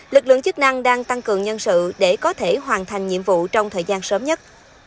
lực lượng chức năng đang tăng cường nhân sự để có thể hoàn thành nhiệm vụ trong thời gian sớm nhất